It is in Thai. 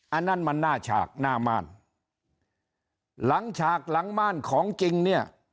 อันนั้นมันหน้าฉากหน้าม่านหลังฉากหลังม่านของจริงเนี่ย